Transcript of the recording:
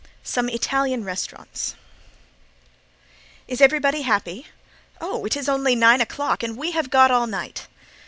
Some Italian Restaurants "Is everybody happy? Oh, it is only nine o'clock and we've got all night."